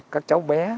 các cháu bé